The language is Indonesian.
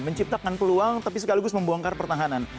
menciptakan peluang tapi sekaligus membongkar pertahanan